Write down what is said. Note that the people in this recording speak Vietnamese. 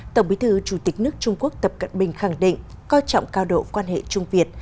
tổng bí thư chủ tịch nước trung quốc tập cận bình khẳng định coi trọng cao độ quan hệ trung việt